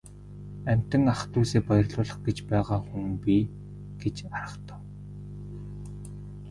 Амьтан ах дүүсээ баярлуулах гэж байгаа хүн би гэж аргадав.